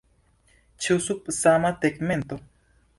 Ĉu sub sama tegmento?